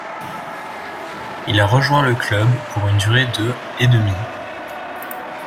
Il rejoint le club pour une durée de et demi.